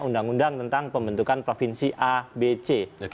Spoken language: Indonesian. undang undang tentang pembentukan provinsi a b c